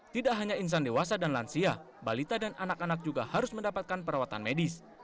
tidak hanya insan dewasa dan lansia balita dan anak anak juga harus mendapatkan perawatan medis